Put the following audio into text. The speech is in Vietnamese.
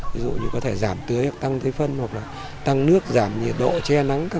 ví dụ như có thể giảm tưới tăng thế phân tăng nước giảm nhiệt độ che nắng